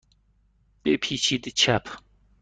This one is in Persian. بپیچید چپ.